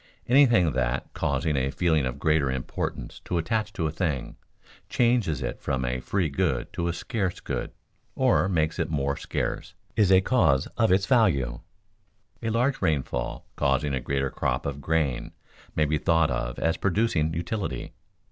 Anything that, causing a feeling of greater importance to attach to a thing, changes it from a free good to a scarce good or makes it more scarce, is a cause of its value. A large rainfall causing a greater crop of grain may be thought of as producing utility.